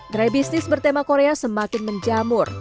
gerai bisnis bertema korea semakin menjamur